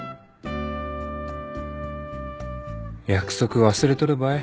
約束忘れとるばい